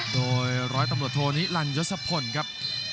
โดยร้อยตำรวจโทนิลันยศพลครับ